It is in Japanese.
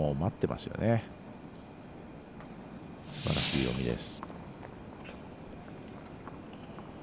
すばらしい読みです。